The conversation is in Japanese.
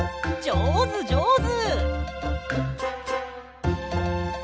じょうずじょうず。